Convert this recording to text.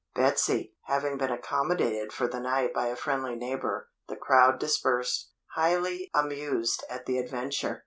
Betsy, having been accommodated for the night by a friendly neighbour, the crowd dispersed, highly amused at the adventure.